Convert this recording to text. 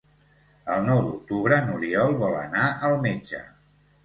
El nou d'octubre n'Oriol vol anar al metge.